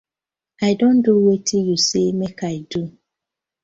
I don do wetin yu say mak I do.